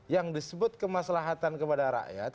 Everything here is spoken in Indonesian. yang disebut kemaslahatan kepada rakyat